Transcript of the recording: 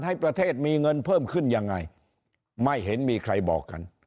ให้ประเทศมีเงินเพิ่มขึ้นยังไงไม่เห็นมีใครบอกกัน